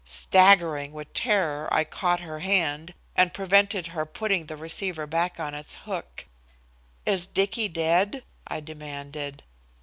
Staggering with terror, I caught her hand, and prevented her putting the receiver back on its hook. "Is Dicky dead?" I demanded.